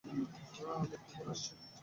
আমি একটু পর আসছি।